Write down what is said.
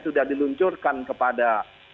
sudah diluncurkan kepada